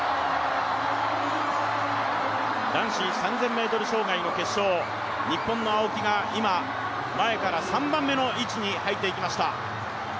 男子３０００ｍ障害の決勝、日本の青木が今、前から３番目の位置に入っていきました。